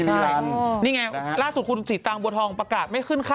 ส่วนวันนี้โปรโมทนิดหนึ่ง